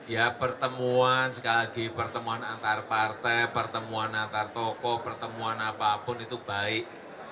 ya pertemuan sekali lagi pertemuan antar partai pertemuan antar tokoh pertemuan apapun itu baik